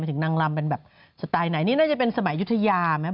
ถึงนางลำเป็นแบบสไตล์ไหนนี่น่าจะเป็นสมัยยุธยาไหม